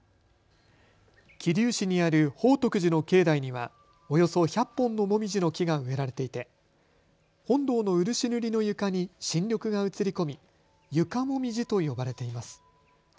桐生市にある宝徳寺の境内にはおよそ１００本のもみじの木が植えられていて本堂の漆塗りの床に新緑が映り込み床もみじと呼ばれています。